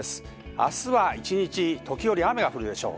明日は一日、時折、雨が降るでしょう。